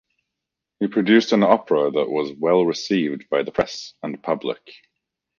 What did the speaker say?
He produced an opera that was well received by the press and public.